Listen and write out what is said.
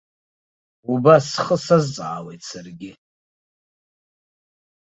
Убас схы сазҵаауеит саргьы.